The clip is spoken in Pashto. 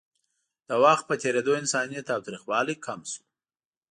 د وخت په تېرېدو انساني تاوتریخوالی کم شو.